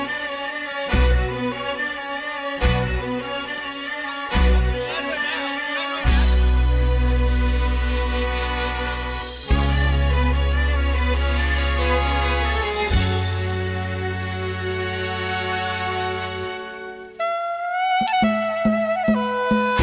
ที่โดรถหวานว่าถ้าคุณผู้ฮ่ายมีชาวลัยค่อนข้าง